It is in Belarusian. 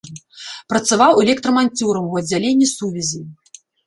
Працаваў электраманцёрам у аддзяленні сувязі.